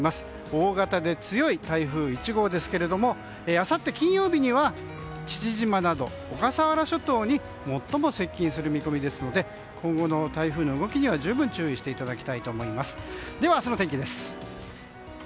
大型で強い台風１号ですけれどもあさって金曜日には父島など、小笠原諸島に最も接近する見込みですので今後の台風の動きには十分注意していただきたいと思います。